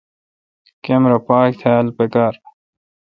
کمرا پاک تھال پکار۔